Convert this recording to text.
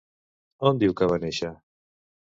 On diu que va néixer?